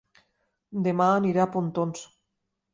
Dema aniré a Pontons